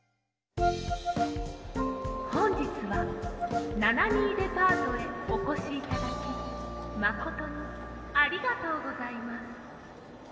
「ほんじつは７２デパートへおこしいただきまことにありがとうございます」。